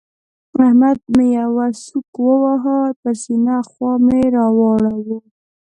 احمد مې يوه سوک وواهه؛ پر سپينه خوا مې را واړاوو.